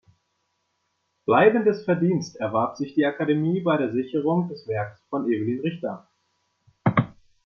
Bleibendes Verdienst erwarb sich die Akademie bei der Sicherung des Werks von Evelyn Richter.